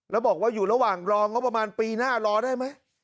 แล้วบอกว่าอยู่ระหว่างรองบประมาณปีหน้ารอได้ไหม